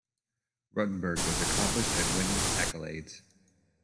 Ruttenberg was accomplished at winning accolades.